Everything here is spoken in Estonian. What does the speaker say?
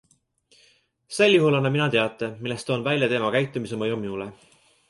Sel juhul annan mina teate, milles toon välja tema käitumise mõju minule.